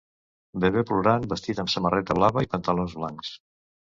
bebè plorant vestit amb samarreta blava i pantalons blancs.